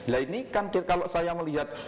nah ini kan kalau saya melihat